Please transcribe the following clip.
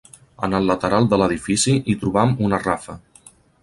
En el lateral de l'edifici hi trobam una rafa.